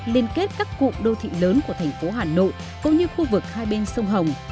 liên kết các cụm đô thị lớn của thành phố hà nội cũng như khu vực hai bên sông hồng